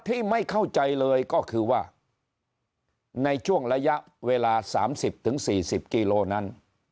ที่ไม่เข้าใจเลยก็คือว่าในช่วงระยะเวลา๓๐๔๐กิโลนั้น